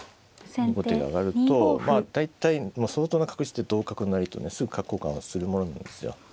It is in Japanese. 後手が上がるとまあ大体相当な確率で同角成とねすぐ角交換をするものなんですよ。